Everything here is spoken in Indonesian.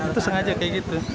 itu sengaja kayak gitu